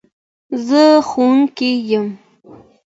زه ښوونکي يم